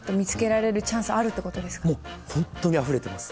ホントにあふれてます。